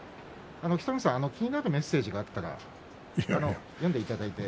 北の富士さん、気になるメッセージがあったら読んでいただいて。